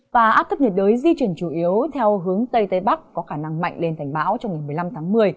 và áp thấp nhiệt đới di chuyển chủ yếu theo hướng tây tây bắc có khả năng mạnh lên thành bão trong ngày một mươi năm tháng một mươi